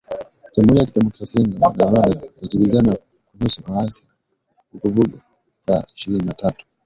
Jamhuri ya Kidemokrasia ya Kongo na Rwanda zajibizana kuhusu waasi wa Vuguvugu la Ishirini na tatu